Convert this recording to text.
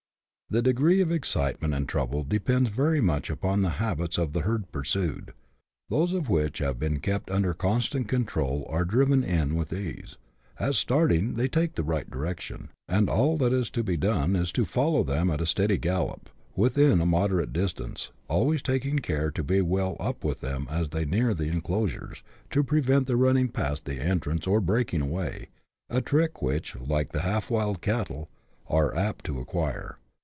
The degree of excitement and trouble depends very much upon the habits of the herd pursued. Those which have been kept under constant control are driven in with ease ; at starting, they take the right direction, and all that is to be done is to follow CHAP. VII.] IRRECLAIMABLE HERDS. 81 them at a steady gallop, within a moderate distance, always taking care to be well up with them as they draw near the enclosures, to prevent their running past the entrance or breaking away, a trick which, like the half wild cattle, they are apt to acquire.